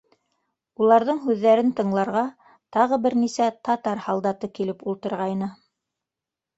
Уларҙың һүҙҙәрен тыңларға тағы бер нисә татар һалдаты килеп ултырғайны.